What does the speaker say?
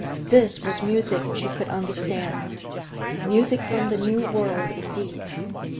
This was music she could understand, music from the New World indeed!